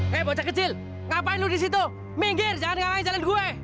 hei bocah kecil ngapain lo disitu minggir jangan nganggain jalan gue